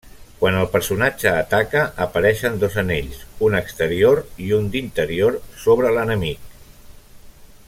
Quan el personatge ataca, apareixen dos anells, un exterior i un d'interior, sobre l'enemic.